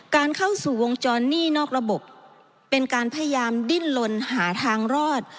การเข้าสู่วงจรหนี้นอกระบบเป็นการพยายามดิ้นลนหาทางรอด